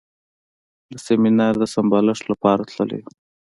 د سیمینار د سمبالښت لپاره تللی و.